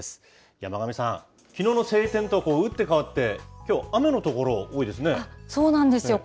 山神さん、きのうの晴天と打って変わって、きょう、雨の所、多いですね。